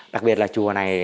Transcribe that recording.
đặc biệt là chùa này